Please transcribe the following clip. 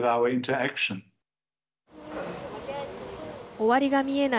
終わりが見えない